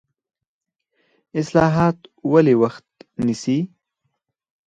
اصلاحات ولې وخت نیسي؟